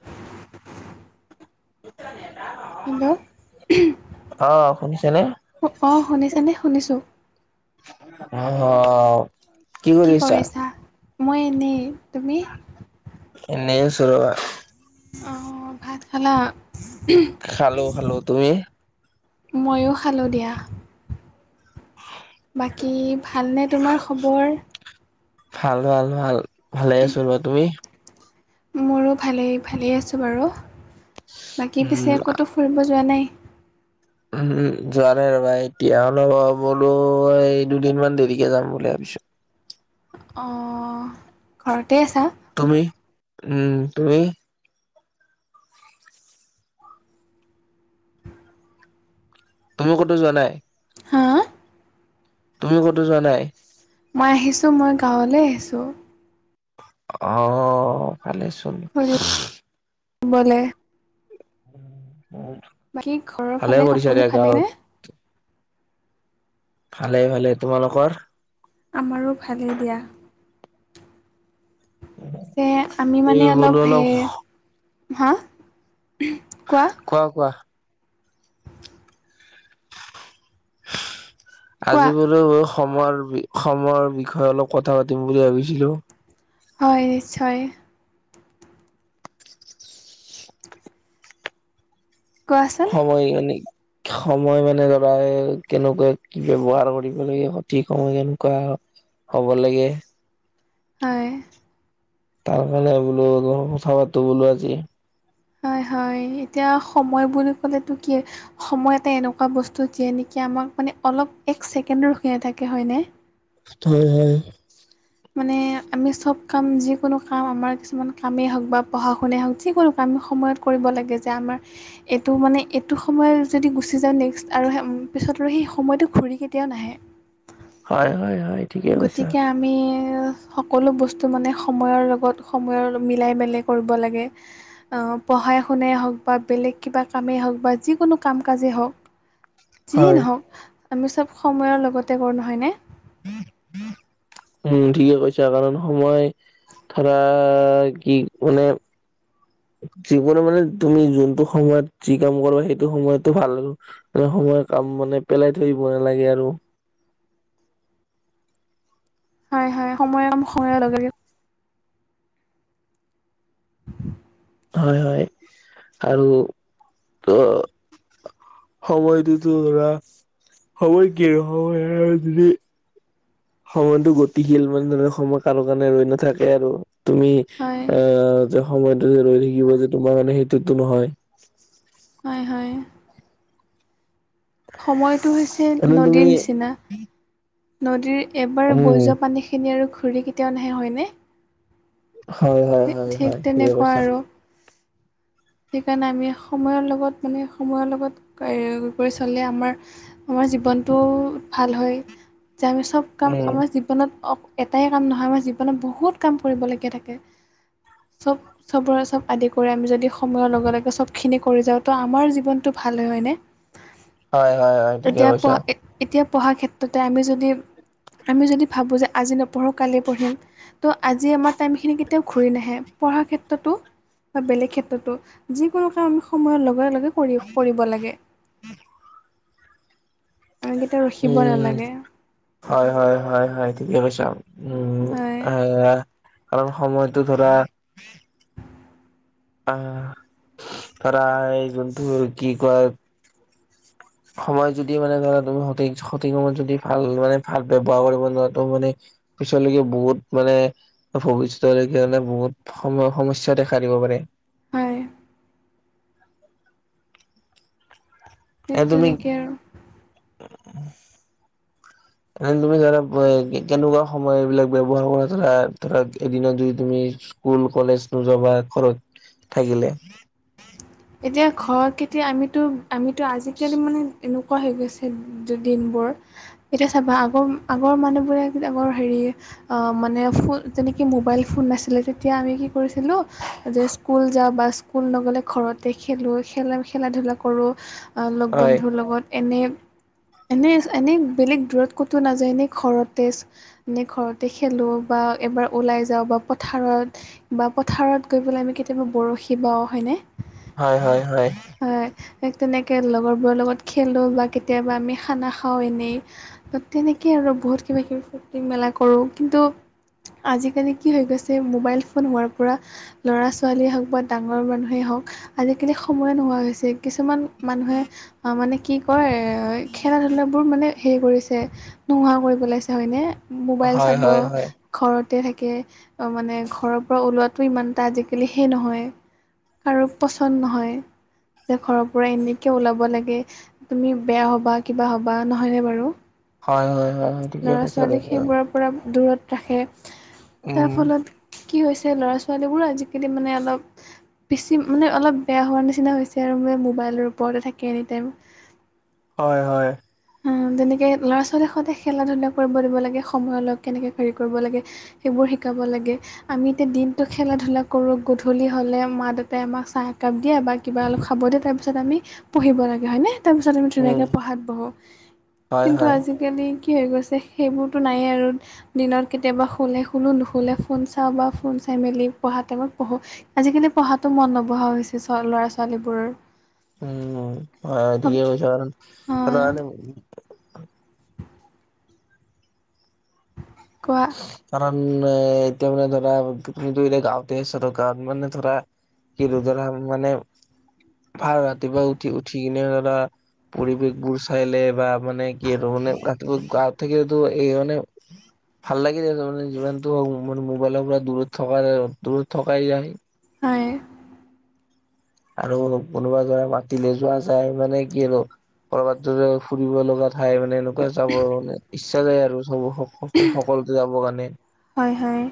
হ উ তই নেজান হেল্ল শুনিছেনে? উমহ' অ শুনিছানে শুনিছো। অহ কি কৰিছা, মই এনেই তুমি? এনেই আছো ৰবা। অ ভাত খালা? খালো খালো, তুমি? মইয়ো খালো দিয়া। বাকী ভালনে তোমাৰ খবৰ? ভাল ভাল ভাল ভালে আছো ৰ তুমি? মোৰো ভালেই ভালেই আছো বাৰু বাকী উম, পিছে ক'তো ফুৰিব যোৱা নাই? উম যোৱা নাই ৰবা এতিয়া অলপ বোলো এই দুদিন মান দেৰিকে যাম বুলি ভাবিছো। অ ঘৰতে আছা? তুমি উম তুমি? তুমি ক'তো যোৱা নাই? হা তুমি ক'তো যোৱা নাই? মই আহিছো মই গাঁৱলে আহিছো। অ ভালে চোন। বলে উ বহুত বাকী ঘৰৰ ফালে সকলো ভালে নে? ভালে ভালে তোমালোকৰ? আমাৰো ভালেই দিয়া। এ আমি এই মানি অলপ বোলো সে হা উমহ কোৱা কোৱা কোৱা কোৱা আজি বোলো সময়ৰ সময়ৰ বিষয়ে অলপ কথা পাতিম বুলি ভাবিছিলো। হয় নিশ্চয় কোৱাচোন সময় মানে সময় মানে লৰাই কেনেকোৱা ব্যৱহাৰ কৰিব লাগে সঠিক সময় কেনেকোৱা হ'ব লাগে হয় তাৰ কাৰণে বোলো অলপ কথা পাতো বোলো আজি। হয় হয় এতিয়া সময় বুলি ক'লেটো কি? সময় এটা এনেকুৱা বস্তু যিয়ে নেকি আমাক মানে অলপ এক ছেকেণ্ড ৰখি নাথাকে হয়নে? হয় হয় মানে আমি চব কাম যিকোনো কাম আমাৰ কিছুমান কামেই হওক বা পঢ়া শুনাই হওক যিকোনো কাম সময়ত কৰিব লাগে যে আমাৰ এইটো মানে এইটো সময় যদি গুচি যাওঁ নেক্সট আৰু হে পিছত আৰু সেই সময়টো ঘূৰি কেতিয়াও নাহে। হয় হয় হয় ঠিকে কৈছা গতিকে আমি এ সকলো বস্তু মানে সময়ৰ লগত সময়ৰ মিলাই মেলাই কৰিব লাগে। আ পঢ়াই শুনাই হওক বা বেলেগ কিবা কামেই হওক বা যিকোনো কাম কাজেই হওক যিয়ে হয়। নহওক আমি চব সময়ৰ লগতে কৰোঁ নহয়নে? [inaudible] উম ঠিকে কৈছা কাৰণ সময় ধৰা কি মানে জীৱনে মানে তুমি যোনটো সময়ত যি কাম কৰা সেইটো সময়তো ভাল মানে সময়ৰ কাম মানে পেলাই থৈ দিব নেলাগে আৰু হয় হয় সময়ৰ কাম সময়ৰ লগে লগে [unintelligible] হয় হয় আৰু অ সময়টোতো ধৰা সময় কি সময় আৰু যদি সময়টো গতিশীল মানে ধৰা সময় কাৰো কাৰণে ৰৈ নাথাকে আৰু তুমি হয় আ যে সময়টো যে ৰৈ থাকিব যে তোমাৰ মানে সেইটোতো নহয় হয় হয় সময়টো হৈছে এনে নদীৰ তুমি নিচিনা নদীৰ এবাৰ বৈ উম যোৱা পানীখিনি আৰু ঘূড়ী কেতিয়াও নাহে হয়নে হয় হয় থি হয় হয় ঠিক ঠিকে তেনেকুৱা কৈছা আৰু সেইকাৰণে আমি সময়ৰ লগত মানে সময়ৰ লগত কৰ কৰি চলে আমাৰ আমাৰ জীৱনটো ভাল হয় যে আমি চব কাম উম আমাৰ জী ৱনত এটাই কাম নহয় আমাৰ জীৱনত বহুত কাম কৰিবলগীয়া থাকে চব চবৰে চব আদি কৰি আমি যদি সময়ৰ লগে লগে চবখিনি কৰি যাওঁ ত' আমাৰ জীৱনটো ভাল হয় হয়নে হয় হয় হয় ঠিকে এতিয়া কৈছা পঢ় এ এতিয়া পঢ়াৰ ক্ষেত্ৰতে আমি যদি আমি যদি ভাবোঁ যে আজি নপঢ়োঁ কালি পঢ়িম ত' আজি আমাৰ টাইমখিনি কেতিয়াও ঘূৰি নাহে পঢ়াৰ ক্ষেত্ৰতো বা বেলেগ ক্ষেত তটো যিকোনো কাম আমি সময়ৰ লগে লগে কৰি কৰিব লাগে আমি কেতিয়াও ৰখিব উম নালাগে হয় হয় হয় হয় ঠিকে কৈছা উম হয় আ কাৰণ সময়টো ধৰা আ ধৰা এই যোনটো আৰু কি কয় সময় যদি মানে ধৰা তুমি সঠিক সঠিক সময়ত যদি ভাল মানে ভাল ব্যৱহাৰ কৰিব নোৱাৰা ত মানে পিছলৈকে বহুত মানে ভৱিছ ট লৈকে মানে বহুত সম সমস্যা দেখা দিব পাৰে হয় ঠিক এ তুমি - তেনেকৈ আৰু [unintelligible] এনেই তুমি ধৰা কেনেকুৱা সময় এইবিলাক ব্যৱহাৰ কৰা ধৰা ধৰাক এদিনত যদি তুমি - স্কুল কলেজ নোযোৱা বা ঘৰত থাকিলে? এতিয়া ঘৰ কেতিয়া আমিতো আমিতো আজিকালি মানে এনেকুৱা হৈ গৈছে - যে দিনবোৰ, এতিয়া চাবা আগৰ আগৰ মানুহ বোৰে আগৰ হেৰিয়ে - মানে ফো যেনেকে মোবাইল ফোন নাছিলে তেতিয়া আমি কি কৰিছিলোঁ যে স্কুল যাওঁ বা - স্কুল নগ'লে ঘৰতে খেলোঁ খেলা খেলা-ধূলা কৰোঁ অ হয় লগ-বন্ধুৰ লগত। এনে এনেই এনেই বেলেগ দূৰত ক'তো নাযায় এনেই ঘৰতে - এনেই ঘৰতে খেলোঁ বা এবাৰ ওলাই যাওঁ বা পথাৰত - বা পথাৰত গৈ পেলাই আমি কেতিয়াবা বৰশী বাও হয়নে? হয় হয় হয়। হয় তেনেকে লগৰবোৰৰ লগত খেলোঁ বা কেতিয়াবা আমি খানা খাওঁ এনেই - তাত তেনেকেই আৰু বহুত কিবা কিবি ফুৰ্তি মেলা কৰো, কিন্তু - আজিকালি কি হৈ গৈছে মোবাইল ফোন হোৱাৰ পৰা - ল'ৰা-ছোৱালীয়ে হওক বা ডাঙৰ মানুহেই হওক - আজিকালি সময়ে নোহোৱা হৈছে, কিছুমান মানুহে মানে কি কৰে - এ খেলা ধূলাবোৰ মানে হেৰি কৰিছে, নোহোৱা কৰি পেলাইছে হয়নে? মোবাইল হয় চাব হয় হয় - ঘৰতে থাকে মানে ঘৰৰ পৰা ওলোৱাটো ইমান এটা আজিকালি হে নহয় - আৰু পচন্দ নহয়। যে ঘৰৰ পৰা এনেকে ওলাব লাগে, তুমি বেয়া হ'বা কিবা হ'বা নহয় নে বাৰু? হয় হয় হয় হয় ঠিকেই ল'ৰা কৈছা ছোৱালীক তেনেকুৱাই। সেইবোৰৰ পৰা দূৰত ৰাখে, তাৰ উম ফলত - কি হৈছে ল'ৰা-ছোৱালীবোৰ আজিকালি মানে অলপ - বেছি মানে অলপ বেয়া হোৱাৰ নিচিনা হৈছে আৰু মানে মোবাইলৰ ওপৰতে থাকে এনিটাইম। হয় হয়। উম, তেনেকে ল'ৰা-ছোৱালী সদায় খেলা-ধূলা কৰিব দিব লাগে সময়ৰ লগ কেনেকে হেৰি কৰিব লাগে - সেইবোৰ শিকাব লাগে। আমি এতিয়া দিনটো খেলা-ধূলা কৰো, গধূলি হ'লে মা-দেউতাই আমাক চাহ একাপ দিয়ে বা - কিবা অলপ খাব দিয়ে, তাৰপিছত আমি পঢ়িব লাগে হয়নে? তাৰপিছত আমি উম ধুনীয়াকে পঢ়াত বহোঁ। হয় কিন্তু হয় আজিকালি কি হৈ গৈছে সেইবোৰতো নাইয়ে আৰু - দিনত কেতিয়াবা শুলে শুলো নুশুলে ফোন চাওঁ বা ফোন চাই মেলি পঢ়া টাইমত পঢ়ো। আজিকালি পঢ়াতো মন নবহা হৈছে চব ল'ৰা-ছোৱালীবোৰৰ। উম অধিক উচাৰণ হয় [unintelligible] কোৱা। কাৰণ এতিয়া মানে ধৰা তুমি তো এতিয়া গাওঁতে আছা কাৰন মানে ধৰা - কিন্তু ধৰা মানে ভাল ৰাতিপুৱা উঠি উঠি কিনে ধৰা - পৰিৱেশবোৰ চাইলে বা মানে কি আৰু মানে ৰাতিপুৱা গাঁৱত থাকিলেতো এই মানে - ভাল লাগি যায় মানে যিমানটো মো মানে মোবাইলৰ পৰা দূৰত থকা দূৰত থকাই যায়। হয়। আৰু কোনোবা ধৰা মাতিলে যোৱা যায় মানে কি আৰু কৰবাত ধৰা ফুৰিব লগা - ঠাই মানে এনেকুৱা যাব মন যায়, ইচ্ছা যায় আৰু চব স স সকলোকে যাব কাৰণে - হয় হয়।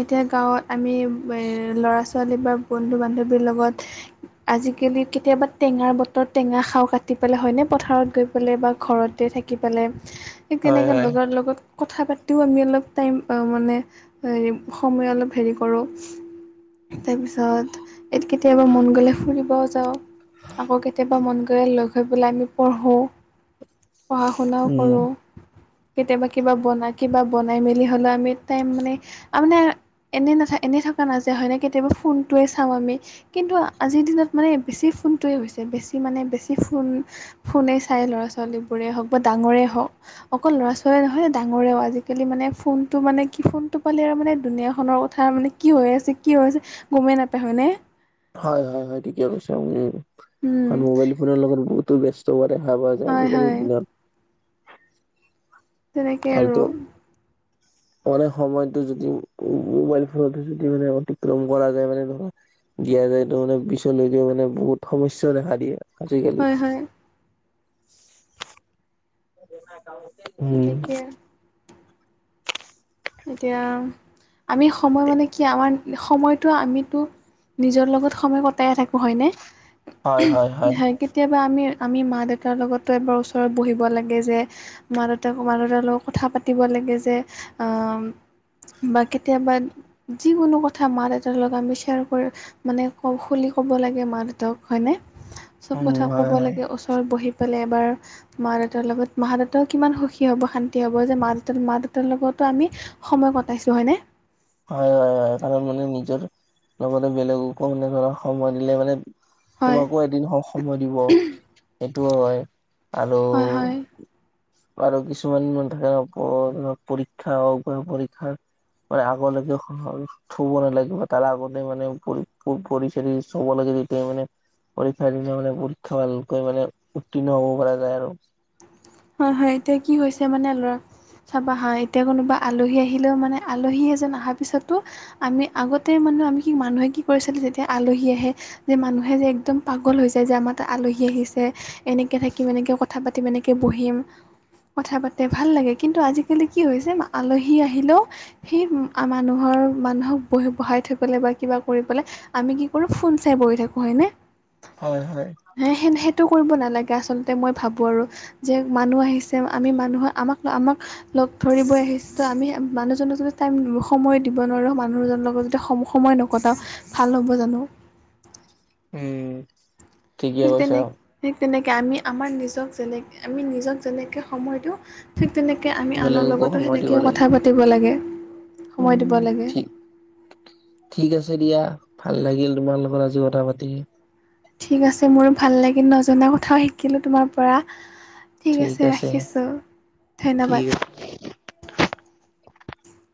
এতিয়া গাঁৱত আমি এ ল'ৰা-ছোৱালী বা বন্ধু-বান্ধৱীৰ লগত - আজিকালি কেতিয়াবা টেঙাৰ বতৰ, টেঙা খাওঁ কাটি পেলাই হয়নে পথাৰত গৈ পেলাই বা ঘৰত তে থাকি পেলাই ঠিক হয় তেনেকে হয় লগৰ লগত কথা পাতিও আমি অলপ টাইম পাওঁ মানে হেই সময় অলপ হেৰি কৰোঁ। তাৰপিছত এ কেতিয়াবা মন গ'লে ফুৰিব যাওঁ। আকৌ কেতিয়াবা মন গগলে লগ হৈ পেলাই আমি পঢ়ো। পঢ়া - শুনাও উম কৰোঁ। কেতিয়াবা কিবা বনা কিবা বনাই মেলি হ'লেও আমি টাইম মানে আৰু মানে এনেই নাথা এনেই থাকা নাযায় হয়নে কেতিয়াবা ফোনটোৱে চাওঁ আমি কিন্তু আজিৰ দিনত মানে বেছি ফোনটোৱে হৈছে বেছি মানে বেছি ফোন ফোনে চাই ল'ৰা-ছোৱালীবোৰে হওঁক বা ডাঙৰে হওক। অকল ল'ৰা-ছোৱালীয়ে নহয়, ডাঙৰেও আজিকালি মানে ফোনটো মানে কি ফোনটো পালে আৰু মানে দুুনীয়াখনৰ কথা মানে কি হৈ আছে কি হৈ আছে গমেই নাপায় হয়নে? হয় হয় হয় ঠিকে কৈছে আপুনি, উম কাৰন মোবাইল ফোনৰ লগত বহুতো ব্যছ চবতে দেখা পোৱা যায় হয় আজিকালিৰ হয় দিনত। তেনেকে আৰু আলটো [inaudible] পঢ়া সময়তো যদি মোবাইল ফোনতে যদি মানে অতিক্ৰম কৰা যায় মানে ধৰা দিয়া যায়তো মানে পিছলৈকে মানে বহুত সমস্যাও দেখা দিয়ে আজিকালি। হয় হয় উম। তেনেকে আৰু এতিয়া আমি সময় মানে কি আমাৰ সময়টো আমিতো নিজৰ লগত সময় কটায়ে থাকো হয় নে, হুম হয় কেতিয়া বা আমি আমি মা-দেউতাৰ লগতো এবাৰ ওচৰত বহিব লাগে যে মা-দেউতা মা-দেউতাৰ লগত কথা পাতিব লাগে যে আম বা কেতিয়াবা যিকোনো কথা মা-দেউতাৰ লগত আমি শ্বেয়াৰ কৰি মানে ক খুলি কব লাগে মা-দেউতাক হয়নে? চব উম কথা হয় কব হয় লাগে ওচৰত বহি পেলাই এবাৰ, মা-দেউতাৰ লগত মা- দেউতাও কিমান সুখী হ'ব, শান্তি হ'ব যে মা- দেউতা মা-দেউতাৰ লগত ত আমি সময় কটাইছোঁ হয়নে হয় হয় হয়, সেই কাৰণ মানে নিজৰ লগতে বেলেগকো মানে ধৰা সময় দিলে মানে হয় তোমাকো এদিন হ সময় দিব। সেইটোৱ হয় আৰু হয় হয় আৰু কিছুমান মান থাকে প পৰীক্ষা পৰীক্ষা মানে আ গ লেকে হ' থুব নালাগিব তাৰ আগতে মানে পৰিচৰি চুব লাগে যেতিয়া মানে পৰীক্ষাৰ দিনা মানে পৰীক্ষা ভালকৈ মানে উত্তীৰ্ণ হ'ব পৰা যায় আৰু হয় হয় এতিয়া কি হৈছে মানে ল'ৰা চাবা হাঁ এতিয়া কোনোবা আলহী আহিলেও মানে আলহী এজন অহাৰ পিছতো আমি আগতে মানুহ আমি কি মানুহে কি কৰিছিল যেতিয়া আলহী আহে যে মানুহে যে একদম পাগল হৈ যায় যে, আমাৰ আলহী আহিছে এনেকে থাকিম এনেকে কথা পাত তিম এনেকে বহিম। কথা পাতে ভাল লাগে। কিন্তু আজিকালি কি হৈছে আলহী আহিলও সেই আ মানুহৰ মানুহক বহি বহাই থবলে বা কিবা কৰিবলে আমি কি কৰোঁ ফোন চাই বহি থাকোঁ হয়নে হয় হয় সে সেইটো কৰিব নালাগে আচলতে মই ভাবোঁ আৰু যে মানুহ আহিছে আমি মানুহৰ আমাক আমাক - লগ ধৰিব‌য়ে আহিছে, আমি সেই মানুহজনক যদি টাইম সময় দিব নোৱাৰো, মানুহজনৰ লগত যদি সম সময় নকটাওঁ, ভাল হ'ব জানো? এ ঠিক তেনে ঠিক তেনেকে আমি আমাৰ নিজক যেনে আমি নিজক যেনেকে সময় দিওঁ - ঠিক তেনেকে আমি আনৰ বেলেগকো লগতো সময় দিব সেনেকেই লাগে কথা পাতিব লাগে। উম সময় দিব উম লাগে ঠিক - ঠিক আছে দিয়া, ভাল লাগিল তোমাৰ লগত আজি কথা পাতি। ঠিক আছে মোৰো ভাল লাগিল নজনা কথাও শিকিলোঁ তোমাৰ পৰা। ঠিক আছে ৰাখিছোঁ ঠিক আছে ধন্যবাদ।